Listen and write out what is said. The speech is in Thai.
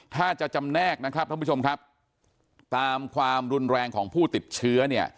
ถ้าจะจำแนกนะครับท่านผู้ชมครับตามความรุนแรงของผู้ติดเชื้อเนี่ย